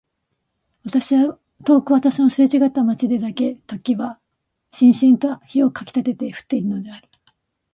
遠く私のすれちがった街でだけ時はしんしんと火をかきたてて降っているのである。